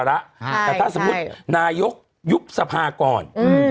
แต่ถ้าสมมุตินายกยุบสภาก่อน